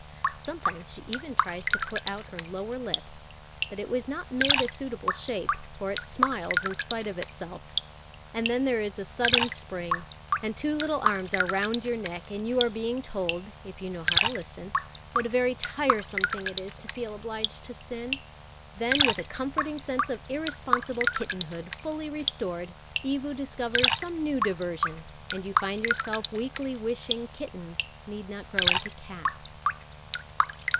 Sometimes she even tries to put out her lower lip, but it was not made a suitable shape, for it smiles in spite of itself; and then there is a sudden spring; and two little arms are round your neck, and you are being told, if you know how to listen, what a very tiresome thing it is to feel obliged to sin. Then, with the comforting sense of irresponsible kittenhood fully restored, Evu discovers some new diversion, and you find yourself weakly wishing kittens need not grow into cats.